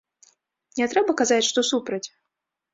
Не трэба казаць, што супраць.